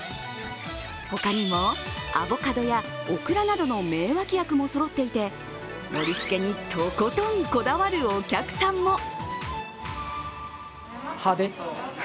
他にも、アボカドやオクラなどの名脇役もそろっていて盛りつけにとことんこだわるお客さんも。